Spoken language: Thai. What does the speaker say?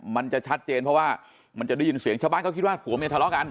มันจะชัดเจนเพราะว่ามันจะได้ยินเสียงชาวบ้านเขาคิดว่าผัวเมียทะเลาะกัน